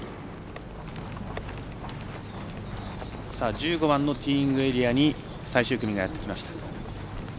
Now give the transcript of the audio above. １５番のティーイングエリアに最終組がやってきました。